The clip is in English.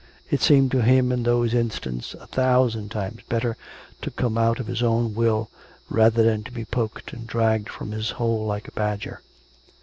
It seemed to him in those instants a thousand times better to come out of his own will, rather than to be poked and dragged from his hole like a badger.